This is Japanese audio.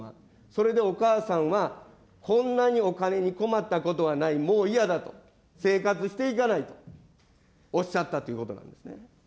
それでお母さんはこんなにお金に困ったことはない、もう嫌だと、生活していけないとおっしゃったということなんですね。